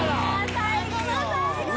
最後の最後。